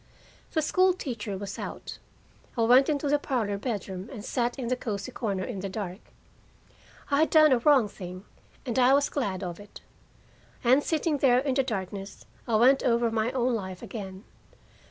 The school teacher was out. I went into the parlor bedroom and sat in the cozy corner in the dark. I had done a wrong thing, and I was glad of it. And sitting there in the darkness, I went over my own life again.